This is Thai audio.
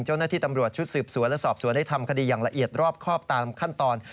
เจ้าหน้าที่ตำรวจชุดสืบสวนและสอบสวนได้ทำคดีอย่างละเอียดรอบครอบตามขั้นตอน